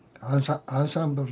アンサンブル。